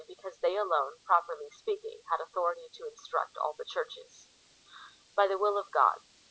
because they alone, properly speaking, had authority to in struct all the Churches. By the will of God.